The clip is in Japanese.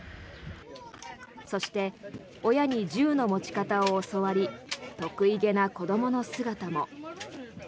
そして親に銃の持ち方を教わり得意げな子どもの姿も。